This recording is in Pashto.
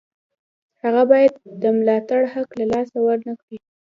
هغه باید د ملاتړ حق له لاسه ورنکړي.